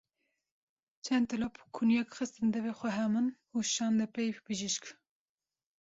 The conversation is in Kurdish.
Çend dilop kunyak xistin devê xweha min û şande pey bijîşk.